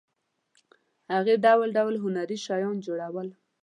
هغې ډول ډول هنري شیان جوړول.